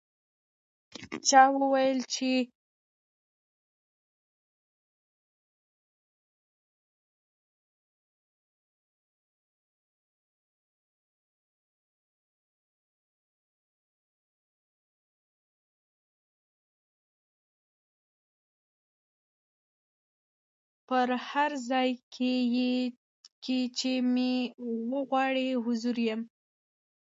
په هر ځای کي چي مي وغواړی حضور یم